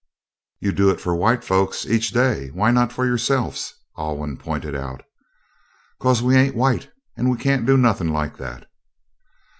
"You do it for white folks each day, why not for yourselves," Alwyn pointed out. "'Cause we ain't white, and we can't do nothin' like that."